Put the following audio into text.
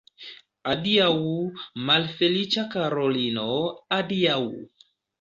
Adiaŭ, malfeliĉa Karolino, adiaŭ!